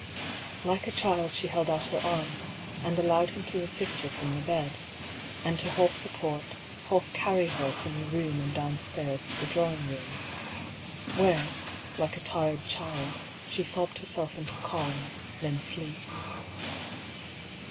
" Like a child she held out her arms, and allowed him to assist her from the bed, and to half support, half carry her from the room and downstairs to the drawing room, where, like a tired child, she sobbed herself into calm, then sleep.